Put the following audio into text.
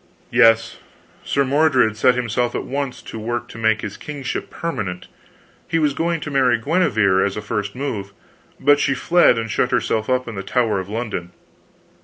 "Yes. Sir Mordred set himself at once to work to make his kingship permanent. He was going to marry Guenever, as a first move; but she fled and shut herself up in the Tower of London.